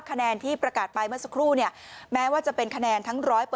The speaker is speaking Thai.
คะแนนที่ประกาศไปเมื่อสักครู่แม้ว่าจะเป็นคะแนนทั้ง๑๐๐